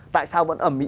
tại sao vẫn ẩm ý